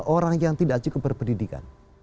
orang yang tidak cukup berpendidikan